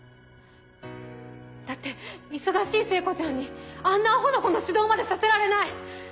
だって忙しい聖子ちゃんにあんなアホな子の指導までさせられない！